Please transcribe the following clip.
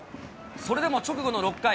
それでも直後の６回。